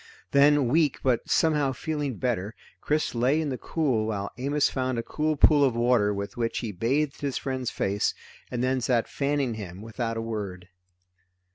Then weak, but somehow feeling better, Chris lay in the cool while Amos found a cold pool of water with which he bathed his friend's face, and then sat fanning him without a word.